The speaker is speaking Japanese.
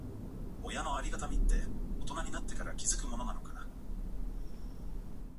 親のありがたみって、大人になってから気づくものなのかな。